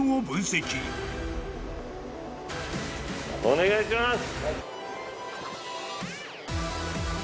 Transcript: お願いします。